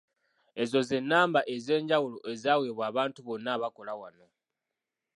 Ezo ze nnamba ez'enjawulo ezaweebwa abantu bonna abakola wano.